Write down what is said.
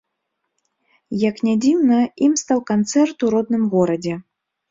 Як ні дзіўна, ім стаў канцэрт у родным горадзе.